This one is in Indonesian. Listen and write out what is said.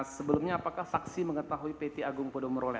sebelumnya apakah saksi mengetahui peti agung podomerole